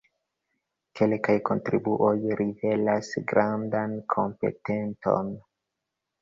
Kelkaj kontribuoj rivelas grandan kompetenton.